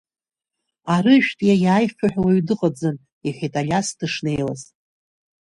Арыжәтә иаиааихьоу ҳәа уаҩ дыҟаӡам, – иҳәеит Алиас дышнеиуаз.